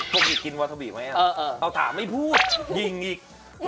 พวกนี้กินวาทาบีมั้ยนะเอาถามไม่พูดกินอีก